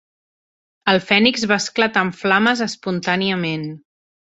El fènix va esclatar en flames espontàniament.